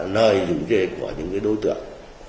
nơi dùng chế của những đối tượng